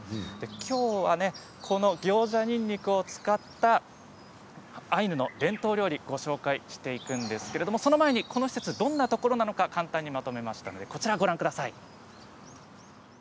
きょうはこのギョウジャニンニクを使ったアイヌの伝統料理をご紹介していくんですけれどもその前にこの施設どんなところなのか簡単にまとめました。